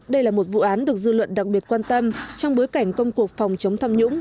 đây là một vụ án được dư luận đặc biệt quan tâm trong bối cảnh công cuộc phòng chống tham nhũng